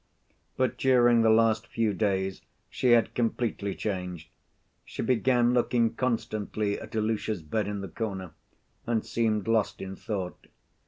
But during the last few days she had completely changed. She began looking constantly at Ilusha's bed in the corner and seemed lost in thought.